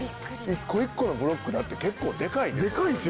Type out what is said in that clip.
１個１個のブロックだって結構デカいで。